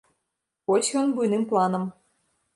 Вось ён буйным планам.